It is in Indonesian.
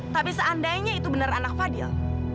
tapi seandainya itu benar anak fadil